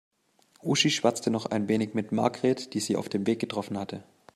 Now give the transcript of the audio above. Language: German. Uschi schwatzte noch ein wenig mit Margret, die sie auf dem Weg getroffen hatte.